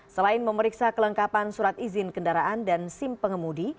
selain memeriksa kelengkapan surat izin kendaraan dan sim pengemudi